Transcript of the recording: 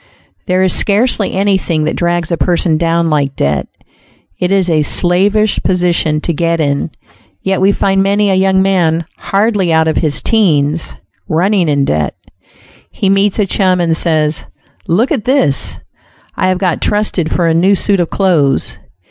There is scarcely anything that drags a person down like debt. It is a slavish position to get in, yet we find many a young man, hardly out of his "teens," running in debt. He meets a chum and says, "Look at this: I have got trusted for a new suit of clothes."